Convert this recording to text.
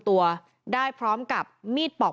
ตายหนึ่ง